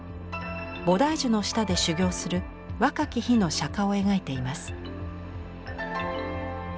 菩提樹の下で修行する若き日の釈迦を描いています。